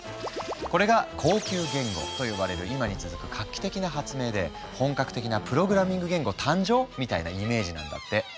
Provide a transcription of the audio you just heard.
これが「高級言語」と呼ばれる今に続く画期的な発明で本格的なプログラミング言語誕生⁉みたいなイメージなんだって。